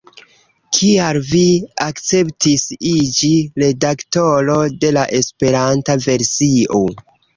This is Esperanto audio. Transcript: Kial vi akceptis iĝi redaktoro de la Esperanta versio?